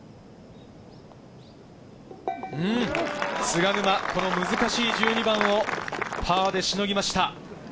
菅沼、この難しい１２番をパーでしのぎました。